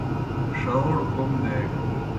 ݜہوڑ کوْم دیگہ۔)